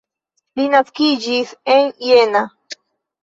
Li naskiĝis en Jena.